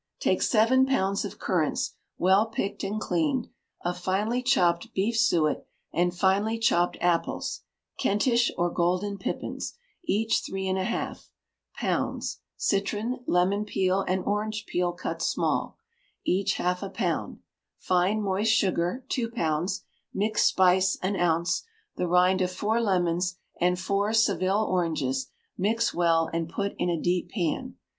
Take seven pounds of currants well picked and cleaned; of finely chopped beef suet, and finely chopped apples (Kentish or golden pippins), each three and a half; pounds; citron, lemon peel, and orange peel cut small, each half a pound; fine moist sugar, two pounds; mixed spice, an ounce; the rind of four lemons and four Seville oranges; mix well, and put in a deep pan.